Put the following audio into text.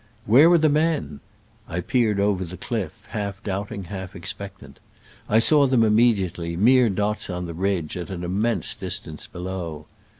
".Where were the men ?' I peered over the cliff, half doubting, half expectant. I saw them immediately, mere dots on the ridge, at an immense distance below.